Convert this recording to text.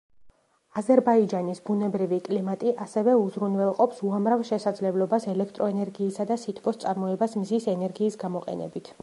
აზერბაიჯანის ბუნებრივი კლიმატი ასევე უზრუნველყოფს უამრავ შესაძლებლობას ელექტროენერგიისა და სითბოს წარმოებას მზის ენერგიის გამოყენებით.